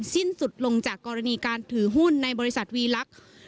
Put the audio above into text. สิ้นสุดลงจากกรณีการถือหุ้นในบริษัทวีลักษณ์